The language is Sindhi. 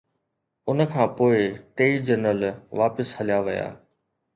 ان کان پوءِ ٽيئي جنرل واپس هليا ويا